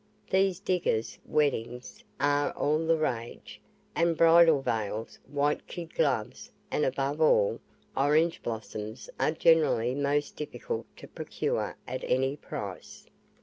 These diggers' weddings are all the rage, and bridal veils, white kid gloves, and, above all, orange blossoms are generally most difficult to procure at any price.